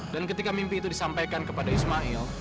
dan ketika mimpi itu disampaikan kepada ismail